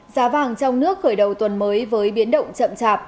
giá vàng trong nước khởi đầu tuần mới với biến động chậm chạp